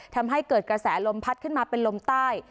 ทำให้เกิดกระแสลมพัดขึ้นมาเป็นลมใต้